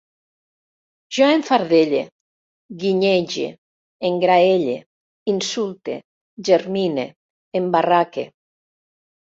Jo enfardelle, guinyege, engraelle, insulte, germine, embarraque